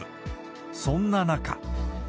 そんな中。